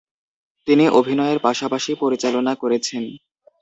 তিনি অভিনয়ের পাশাপাশি পরিচালনা করেছেন।